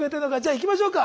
いきましょう！